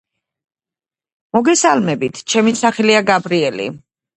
მოგესალებით ჩემი სახელია გაბრიელი